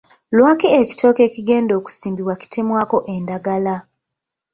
Lwaki ekitooke ekigenda okusimbibwa kitemwako endagala?